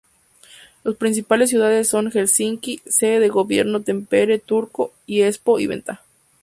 Las principales ciudades son Helsinki, sede del gobierno, Tampere, Turku, Espoo y Vantaa.